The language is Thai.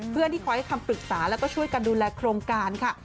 ที่คอยให้คำปรึกษาแล้วก็ช่วยกันดูแลโครงการค่ะ